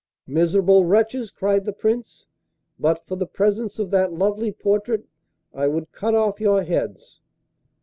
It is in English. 'Miserable wretches!' cried the Prince; 'but for the presence of that lovely portrait I would cut off your heads.